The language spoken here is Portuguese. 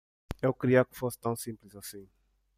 Eu queria que fosse tão simples assim.